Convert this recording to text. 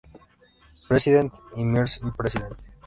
President", y "Mrs President".